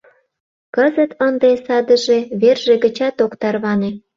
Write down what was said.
Кызыт ынде садыже верже гычат ок тарване.